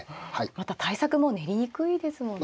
また対策も練りにくいですもんね。